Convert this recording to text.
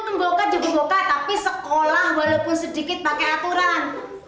lo ngeboka juga boka tapi sekolah walaupun sedikit pake aturan